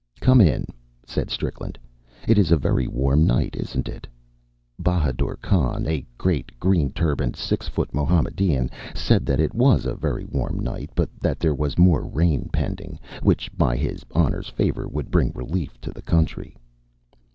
"Come in," said Strickland. "It is a very warm night, isn't it?" Bahadur Khan, a great, green turbaned, six foot Mohammedan, said that it was a very warm night, but that there was more rain pending, which, by his honor's favor, would bring relief to the country.